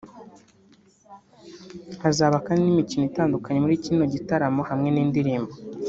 Hazaba kandi n’imikino itandukanye muri kino gitaramo hamwe n’indirimbo